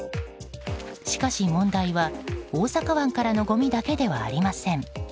しかし問題は、大阪湾からのごみだけではありません。